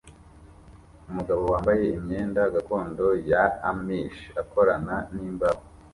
Umugabo wambaye imyenda gakondo ya Amish akorana nimbaho